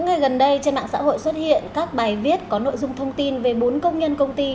ngày gần đây trên mạng xã hội xuất hiện các bài viết có nội dung thông tin về bốn công nhân công ty